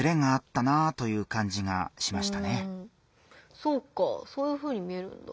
そうかそういうふうに見えるんだ。